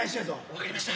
分かりました。